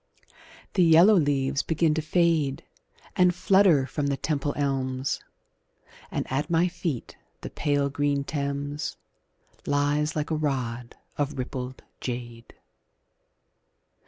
The yellow leaves begin to fade And flutter from the Temple elms, And at my feet the pale green Thames Lies like a rod of rippled jade.